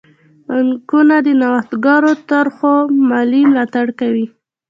بانکونه د نوښتګرو طرحو مالي ملاتړ کوي.